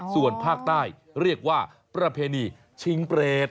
ส่วนภาคใต้เรียกว่าประเพณีชิงเปรต